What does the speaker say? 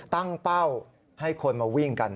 ตั้งเป้าให้คนมาวิ่งกัน